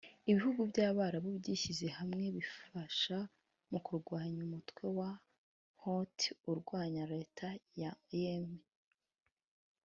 Ibihugu by’Abarabu byishyize hamwe bifasha mu kurwanya umutwe wa Houthi urwanya leta ya Yemen